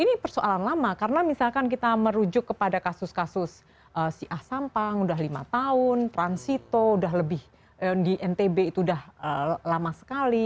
ini persoalan lama karena misalkan kita merujuk kepada kasus kasus si ah sampang udah lima tahun transito udah lebih di ntb itu sudah lama sekali